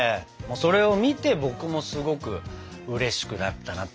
それを見て僕もすごくうれしくなったなって感じ。